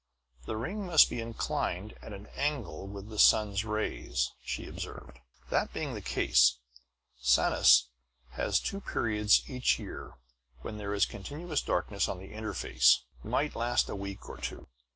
"The ring must be inclined at an angle with the sun's rays," she observed. "That being the case, Sanus has two periods each year when there is continuous darkness on the inner face; might last a week or two.